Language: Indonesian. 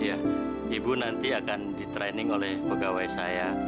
iya ibu nanti akan di training oleh pegawai saya